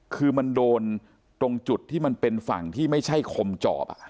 คือมันโดนตรงจุดที่มันเป็นฝั่งที่ไม่ใช่คมจอบ